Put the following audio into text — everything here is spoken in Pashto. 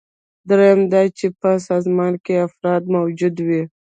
دریم دا چې په سازمان کې افراد موجود وي.